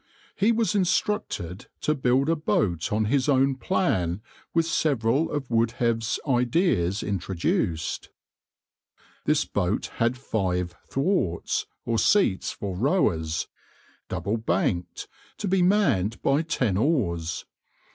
He was instructed to build a boat on his own plan with several of Wouldhave's ideas introduced. This boat had five thwarts, or seats for rowers, double banked, to be manned by ten oars.